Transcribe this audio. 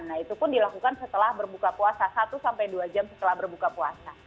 nah itu pun dilakukan setelah berbuka puasa satu sampai dua jam setelah berbuka puasa